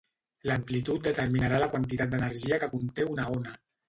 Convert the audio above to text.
L'amplitud determinarà la quantitat d'energia que conté una ona.